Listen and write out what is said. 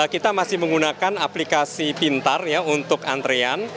kita masih menggunakan aplikasi pintar ya untuk antrean